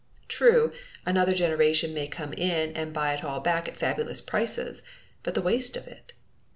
True, another generation may come in and buy it all back at fabulous prices, but the waste of it!